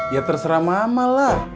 ya terserah mama lah